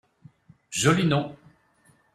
Joli nom